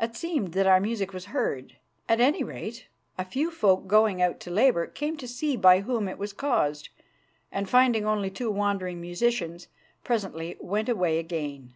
It seemed that our music was heard. At any rate, a few folk going out to labour came to see by whom it was caused, and finding only two wandering musicians, presently went away again.